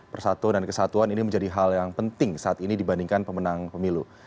persatuan dan kesatuan ini menjadi hal yang penting saat ini dibandingkan pemenang pemilu